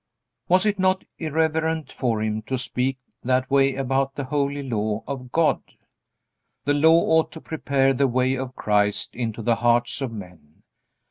Was it not irreverent for him to speak that way about the holy Law of God? The Law ought to prepare the way of Christ into the hearts of men.